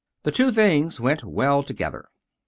The two things went well together.